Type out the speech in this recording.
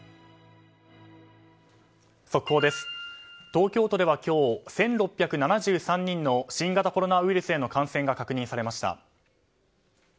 東京都では今日、１６７３人の新型コロナウイルスへの感染が確認されました。